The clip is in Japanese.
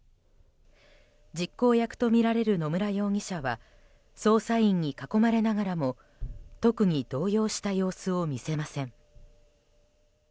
実行役とみられる野村容疑者は捜査員に囲まれながらも特に動揺した様子を見せません。